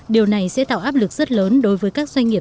điều này sẽ tạo áp lực rất lớn đối với các doanh nghiệp